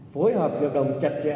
phối hợp hiệp đồng chặt chẽ